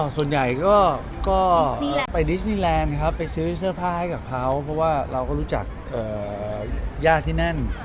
ส่วนใหญ่ก็ไปดิสนีแลนด์ครับไปซื้อเสื้อผ้าให้กับเขาเพราะว่าเราก็รู้จักญาติที่นั่น